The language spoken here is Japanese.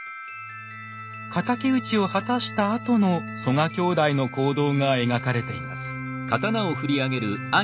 敵討ちを果たしたあとの曽我兄弟の行動が描かれています。